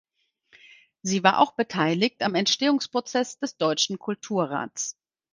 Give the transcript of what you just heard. Sie war auch beteiligt am Entstehungsprozess des Deutschen Kulturrats.